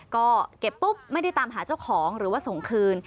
ก็เก็บปุ๊บไม่ได้ตามหาเจ้าของหรือว่าส่งคืน